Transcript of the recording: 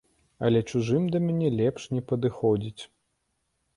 Але чужым да мяне лепш не падыходзіць.